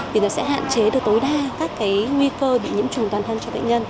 thì nó sẽ hạn chế được tối đa các nguy cơ bị nhiễm trùng toàn thân cho bệnh nhân